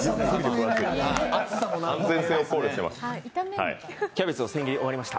安全性を考慮してます。